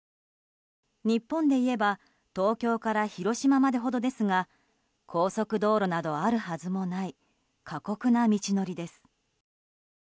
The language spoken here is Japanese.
日本でいえば東京から広島までほどですが高速道路などあるはずもない過酷な道のりです。